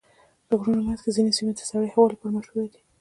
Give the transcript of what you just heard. د غرونو منځ کې ځینې سیمې د سړې هوا لپاره مشهوره دي.